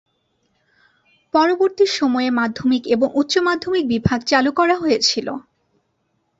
পরবর্তী সময়ে মাধ্যমিক এবং উচ্চ মাধ্যমিক বিভাগ চালু করা হয়েছিল।